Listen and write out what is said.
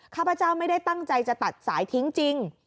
ข้าพเจ้าไม่ได้ตั้งใจจะตัดสายทิ้งจริง